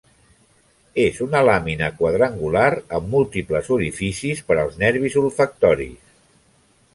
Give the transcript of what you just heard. És una làmina quadrangular amb múltiples orificis per als nervis olfactoris.